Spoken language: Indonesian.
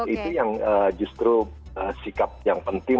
itu yang justru sikap yang penting